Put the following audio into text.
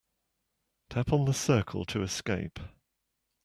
Tap on the circle to escape.